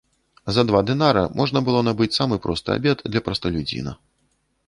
За два дынара можна было набыць самы просты абед для прасталюдзіна.